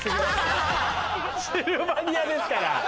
シルバニアですから。